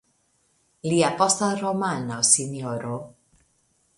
Lia posta romano "Sro.